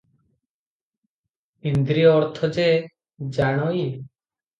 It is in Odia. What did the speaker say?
ଇନ୍ଦ୍ରିୟ ଅର୍ଥ ଯେ ଜାଣଇ ।